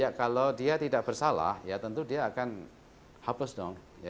ya kalau dia tidak bersalah ya tentu dia akan hapus dong